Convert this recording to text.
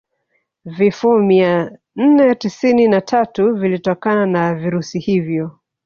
Vifo mia nne tisini na tatu vilitokana na virusi hivyo